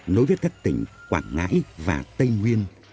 nối với các tỉnh quảng ngãi và tây nguyên